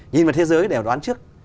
nhìn vào thế giới để đoán trước